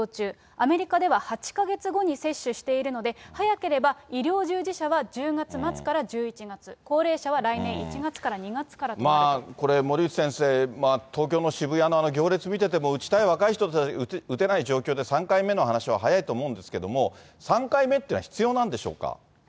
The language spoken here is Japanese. アメリカでは８か月後に接種しているので、早ければ医療従事者は１０月末から１１月、高齢者は来年１月からこれ、森内先生、東京の渋谷のあの行列見てても、打ちたい若い人たち、打てない状況で、３回目の話は早いと思うんですけど、３回目っていうのは必要なんでしょうか。